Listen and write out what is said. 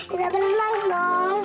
bisa bernafas dong